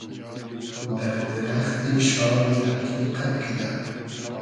دئر دیرئختی شاوی تئرکی قئد کیدۂ